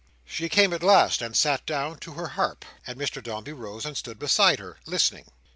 She came at last, and sat down to her harp, and Mr Dombey rose and stood beside her, listening.